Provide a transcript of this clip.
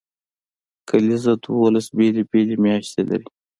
کلیزه دولس بیلې بیلې میاشتې لري.